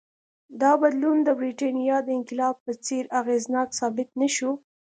دا بدلون د برېټانیا د انقلاب په څېر اغېزناک ثابت نه شو.